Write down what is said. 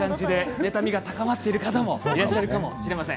妬みが高まっている方もいるかもしれません。